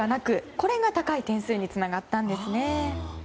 これが高い点数につながったんですね。